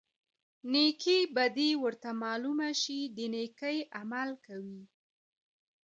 نیکې بدي ورته معلومه شي د نیکۍ عمل کوي.